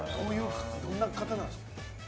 どんな方なんですか？